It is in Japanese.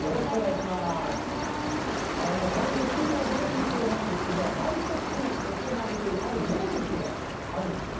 もう本当にすてきなざる菊なんですが、毎年行われているある名物があるんですよね。